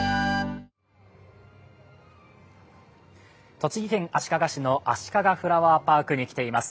栃木県足利市のあしかがフラワーパークに来ています。